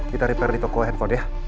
kita repair di toko handphone ya